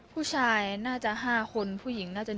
ผู้ชายน่าจะ๕คนผู้หญิงน่าจะ